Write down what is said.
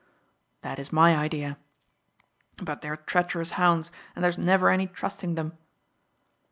"That is my idea. But they are treacherous hounds, and there is never any trusting them."